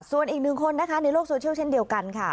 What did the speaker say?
ส่วนอีกหนึ่งคนนะคะในโลกโซเชียลเช่นเดียวกันค่ะ